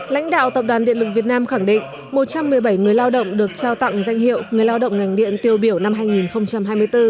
lãnh đạo tập đoàn điện lực việt nam khẳng định một trăm một mươi bảy người lao động được trao tặng danh hiệu người lao động ngành điện tiêu biểu năm hai nghìn hai mươi bốn